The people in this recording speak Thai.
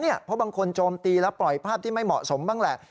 เพราะบางคนโจมตีแล้วปล่อยภาพที่ไม่เหมาะสมบ้างแหละ